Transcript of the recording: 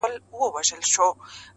راوړې فریسو یې د تن خاوره له باګرامه-